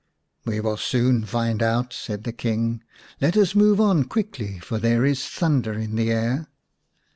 " We will soon find out," said the King. " Let us move on quickly, for there is thunder in the air."